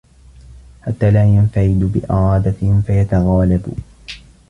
حَتَّى لَا يَنْفَرِدُوا بِإِرَادَتِهِمْ فَيَتَغَالَبُوا